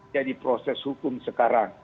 jadi proses hukum sekarang